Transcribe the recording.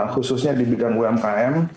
khususnya di bidang umkm